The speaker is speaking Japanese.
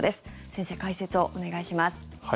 先生、解説をお願いします。